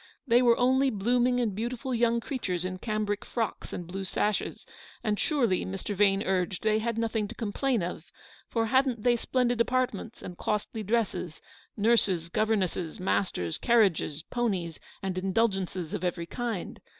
They were only blooming and beautiful young creatures in cambric frocks and blue sashes ; and surely, Mr. Vane urged, they had nothing to complain of, for hadn't they splendid apartments and costly dresses, nurses, governesses, masters, carriages, ponies, and indulgences of every kind?